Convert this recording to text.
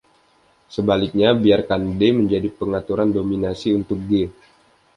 Sebaliknya, biarkan "D" menjadi pengaturan dominasi untuk "G".